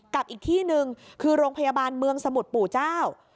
กับอีกที่หนึ่งคือโรงพยาบาลเมืองสมุทรปู่เจ้า